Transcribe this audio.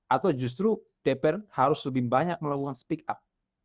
atau justru dpr harus lebih banyak melakukan speak up